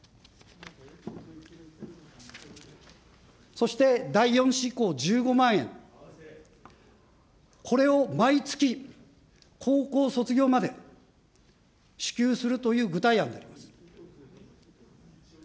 そして第４子以降、１５万円、これを毎月、高校卒業まで、支給するという具体案であります。